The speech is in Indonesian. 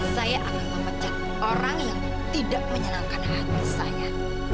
saya akan memecat orang yang tidak menyenangkan hati saya